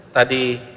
pembuatan padat ini apa